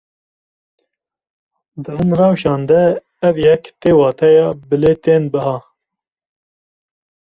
Di hin rewşan de ev yek tê wateya bilêtên biha.